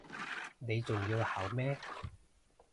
你仲要考咩